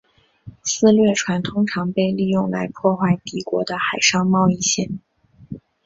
私掠船通常被利用来破坏敌国的海上贸易线。